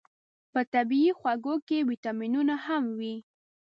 په طبیعي خوږو کې ویتامینونه هم وي.